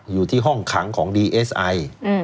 อยู่ที่ห้องขังของดีเอสไอ